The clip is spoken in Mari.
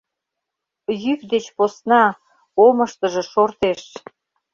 Йӱк деч посна, омыштыжо шортеш...